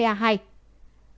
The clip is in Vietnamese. câu hỏi còn bỏ ngọt